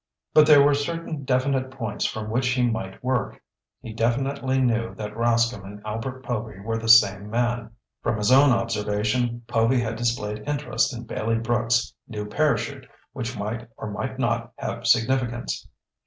But there were certain definite points from which he might work. He definitely knew that Rascomb and Albert Povy were the same man. From his own observation, Povy had displayed interest in Bailey Brooks' new parachute, which might or might not have significance.